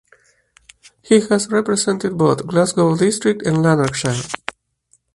He has represented both Glasgow District and Lanarkshire.